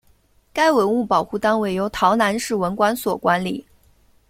该文物保护单位由洮南市文管所管理。